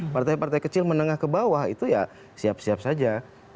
partai partai kecil menengah ke bawah itu ya siap siap saja